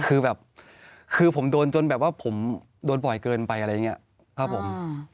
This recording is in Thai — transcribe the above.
คือแบบคือผมโดนจนแบบว่าผมโดนบ่อยเกินไปอะไรอย่างนี้ครับผม